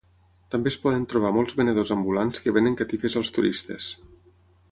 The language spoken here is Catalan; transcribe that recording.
També es poden trobar molts venedors ambulants que venen catifes als turistes.